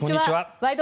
「ワイド！